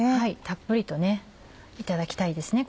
たっぷりといただきたいですね